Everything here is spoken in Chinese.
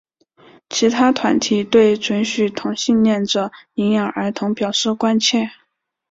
其他团体对准许同性恋者领养儿童表示关切。